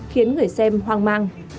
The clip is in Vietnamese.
khiến người xem hoang mang